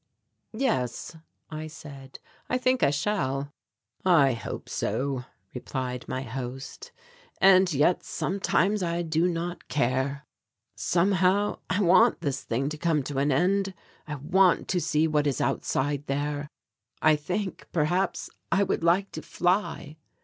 "Yes," I said, "I think I shall." "I hope so," replied my host, "and yet sometimes I do not care; somehow I want this thing to come to an end. I want to see what is outside there. I think, perhaps, I would like to fly.